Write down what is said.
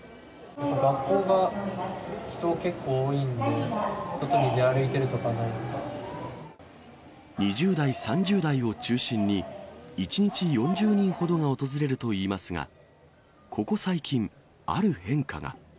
学校が人、結構多いので、２０代、３０代を中心に、１日４０人ほどが訪れるといいますが、ここ最近、ある変化が。